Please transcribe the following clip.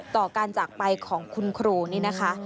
ต่อการจากไปของคุณครูนี่นะคะ